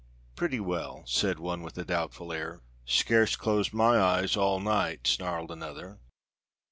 "Pretty well," said one with a doubtful air. "Scarce closed my eyes all night," snarled another.